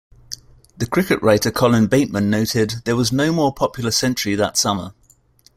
The cricket writer Colin Bateman noted, "there was no more popular century that summer".